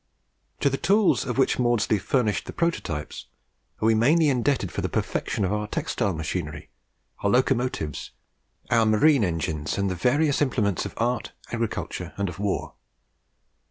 To the tools of which Maudslay furnished the prototypes are we mainly indebted for the perfection of our textile machinery, our locomotives, our marine engines, and the various implements of art, of agriculture, and of war.